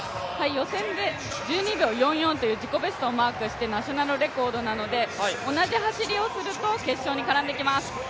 予選で１２秒４４という自己ベストをマークしてナショナルレコードなので同じ走りをすると決勝に絡んできます。